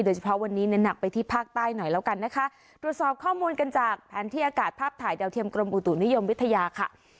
เฉพาะวันนี้เน้นหนักไปที่ภาคใต้หน่อยแล้วกันนะคะตรวจสอบข้อมูลกันจากแผนที่อากาศภาพถ่ายดาวเทียมกรมอุตุนิยมวิทยาค่ะ